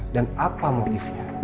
dan apa motifnya